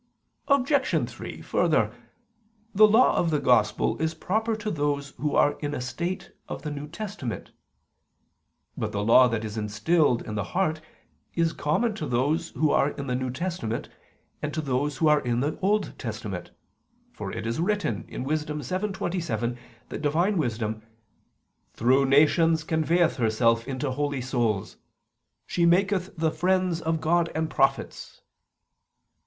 Obj. 3: Further, the law of the Gospel is proper to those who are in the state of the New Testament. But the law that is instilled in the heart is common to those who are in the New Testament and to those who are in the Old Testament: for it is written (Wis. 7:27) that Divine Wisdom "through nations conveyeth herself into holy souls, she maketh the friends of God and prophets."